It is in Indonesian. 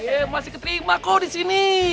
iya masih keterima kok disini